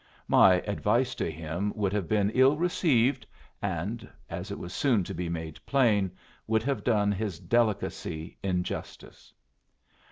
My advice to him would have been ill received, and as was soon to be made plain would have done his delicacy injustice.